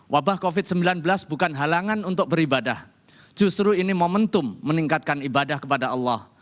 wabah covid sembilan belas bukan halangan untuk beribadah justru ini momentum meningkatkan ibadah kepada allah